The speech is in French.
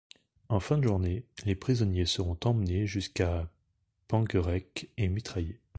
En fin de journée, les prisonniers seront emmenés jusqu'à Penguerec et mitraillés.